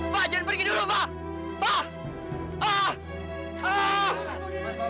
pak john pergi dulu pak